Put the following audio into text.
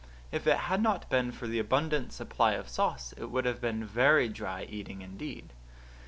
If it had not been for the abundant supply of sauce it would have been very dry eating indeed.